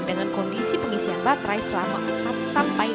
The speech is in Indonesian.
dengan kondisi pengisian baterai selama empat sampai delapan jam